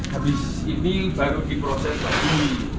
habis ini baru diproses lagi